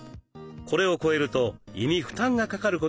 これを超えると胃に負担がかかることがあります。